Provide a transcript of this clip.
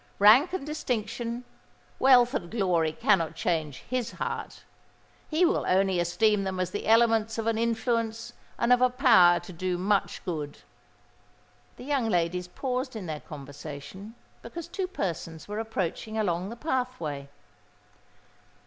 "Rank and distinction—wealth and glory cannot change his heart: he will only esteem them as the elements of an influence and of a power to do much good." The young ladies paused in their conversation, because two persons were approaching along the pathway.